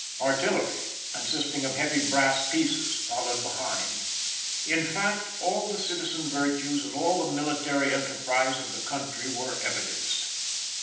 Artillery, consisting of heavy brass pieces, followed behind. In fact, all the citizen virtues and all the military enterprise of the country were evidenced.